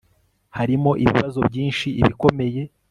harimo ibibazo byinshi ibikomeye